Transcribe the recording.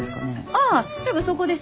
ああすぐそこです。